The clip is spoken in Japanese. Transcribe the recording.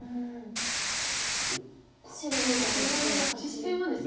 なるほど。ということででは実戦はですね